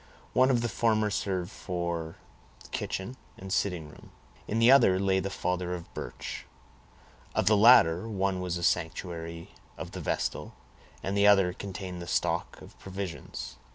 One of the former served for kitchen and sitting room; in the other lay the father of Birch; of the latter, one was the sanctuary of the vestal, and the other contained the stock of provisions.